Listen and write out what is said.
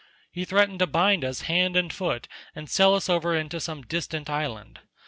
He threatened to bind us hand and foot and sell us over into some distant island.